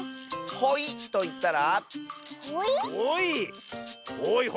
「ほい」といったら？